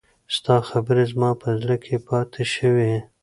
ستا خبرې زما په زړه کې پاتې شوې.